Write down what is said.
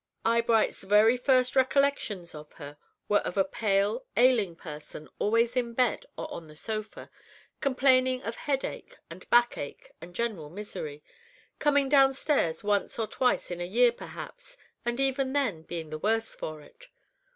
Eyebright's very first recollections of her were of a pale, ailing person always in bed or on the sofa, complaining of headache and backache, and general misery, coming downstairs once or twice in a year perhaps, and even then being the worse for it.